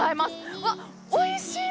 うわ、おいしい！